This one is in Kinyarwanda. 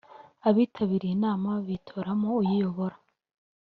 abitabiriye inama bitoramo uyiyobora.